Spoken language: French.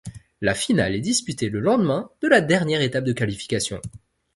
La finale est disputée le lendemain de la dernière étape de qualification.